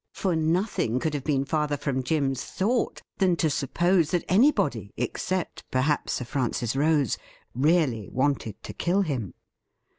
For nothing could have been farther from Jim's thought than to suppose that anybody, except, perhaps. Sir Francis Rose, really wanted to kill him.